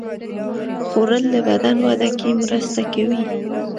خوړل د بدن وده کې مرسته کوي